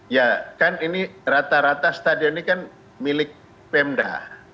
ya kan ini rata rata stadion ini kan milik pemda